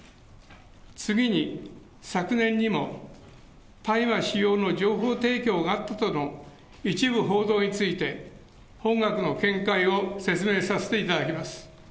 次に昨年にも、大麻使用の情報提供があったとの一部報道について、本学の見解を説明させていただきます。